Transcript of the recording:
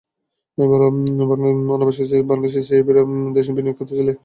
অনাবাসী বাংলাদেশি সিআইপিরা দেশে বিনিয়োগ করতে চাইলে বিদেশি বিনিয়োগকারীদের সমান সুযোগ পাবেন।